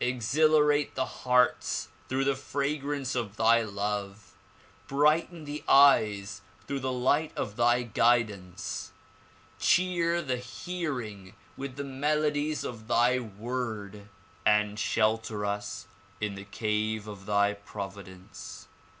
exhilarate the hearts through the fragrance of thy love; brighten the eyes through the light of thy guidance ; cheer the hearing with the melodies of thy Word and shelter us in the cave of thy provi dence.